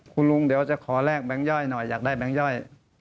คุณลุงเดี๋ยวจะขอแลกแบงค์ย่อยหน่อยอยากได้แก๊งย่อย